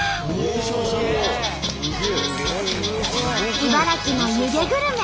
茨城の湯気グルメ。